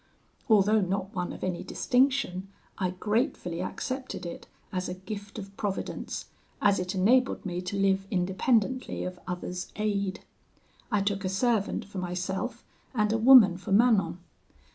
Although not one of any distinction, I gratefully accepted it as a gift of Providence, as it enabled me to live independently of others' aid. I took a servant for myself, and a woman for Manon.